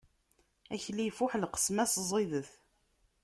Akli ifuḥ, lqesma-s ẓidet.